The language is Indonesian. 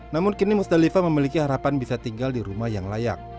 namun kini musdalifah memiliki harapan bisa tinggal di rumah yang layak